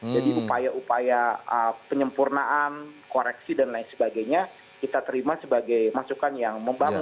jadi upaya upaya penyempurnaan koreksi dan lain sebagainya kita terima sebagai masukan yang membangun